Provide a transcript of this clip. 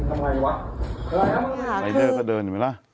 อะไรละครับงั้นคือนายแด้แด้ก็เดินอยู่ไหมล่ะ